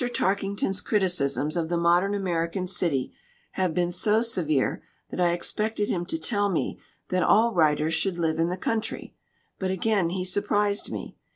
Tarkington's criticisms of the modern American city have been so severe that I expected him to tell me that all writers should live in the country. But again he surprised me.